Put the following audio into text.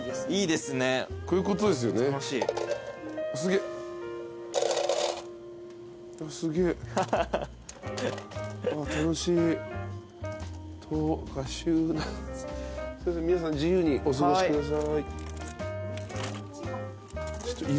すいません皆さん自由にお過ごしください。